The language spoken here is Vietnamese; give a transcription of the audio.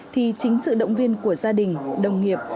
thì chính sự động viên của gia đình đồng nghiệp